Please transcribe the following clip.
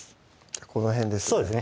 この辺ですね